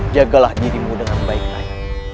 jagalah dirimu dengan baik baik